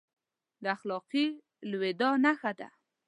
د اخلاقي لوېدا نښه دی.